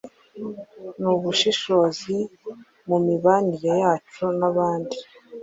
nubushishozi mu mibanire yacu n’abandi.